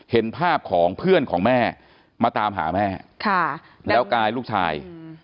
เห็นภาพของเพื่อนของแม่มาตามหาแม่แล้วกายลูกชาย